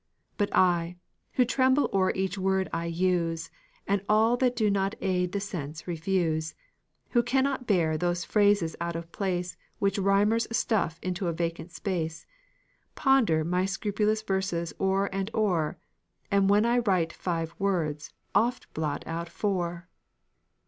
But I who tremble o'er each word I use, And all that do not aid the sense refuse, Who cannot bear those phrases out of place Which rhymers stuff into a vacant space Ponder my scrupulous verses o'er and o'er, And when I write five words, oft blot out four.